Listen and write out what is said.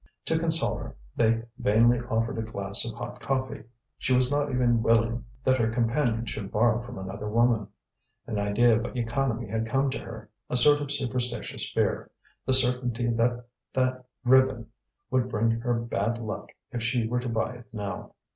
To console her they vainly offered a glass of hot coffee. She was not even willing that her companion should borrow from another woman. An idea of economy had come to her, a sort of superstitious fear, the certainty that that ribbon would bring her bad luck if she were to buy it now.